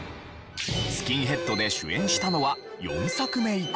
スキンヘッドで主演したのは４作目以降。